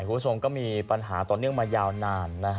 คุณผู้ชมก็มีปัญหาต่อเนื่องมายาวนาน